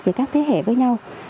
với các thế hệ với nhau